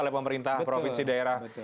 oleh pemerintah provinsi daerah